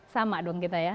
sama dong kita ya